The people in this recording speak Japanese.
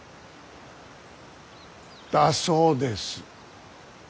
だそうです。